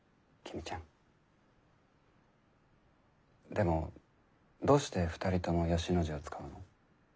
でもどうして２人とも義の字を使うの？